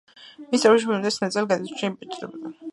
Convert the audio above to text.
მისი ნაწარმოებების უმეტესი ნაწილი გაზეთებში იბეჭდებოდა.